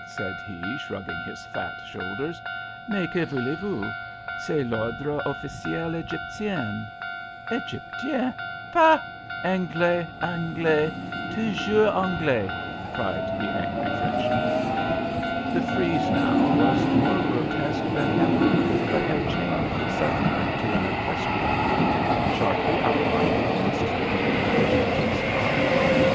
_" said he, shrugging his fat shoulders. "Mais que voulez vous? C'est l'ordre officiel Egyptien." "Egyptien! Pah, Anglais, Anglais toujours Anglais!" cried the angry Frenchman. The frieze now was more grotesque than ever, but had changed suddenly to an equestrian one, sharply outlined against the deep blue Egyptian sky.